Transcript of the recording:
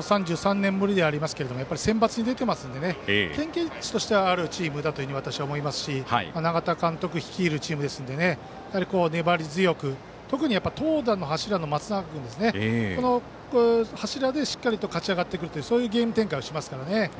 ３３年ぶりではありますけどセンバツに出てますので経験値としてはあるチームだと思いますし永田監督率いるチームですので粘り強く、特に投打の柱の松永君この柱でしっかりと勝ち上がってくるというそういうゲーム展開をしますからね。